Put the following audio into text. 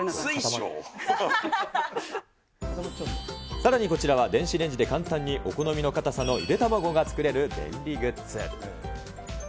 さらにこちらは電子レンジで簡単にお好みの硬さのゆで卵が作れる便利グッズ。